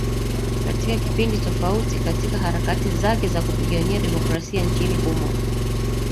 katika kipindi tofauti katika harakati zake za kupigania demokrasia nchini humo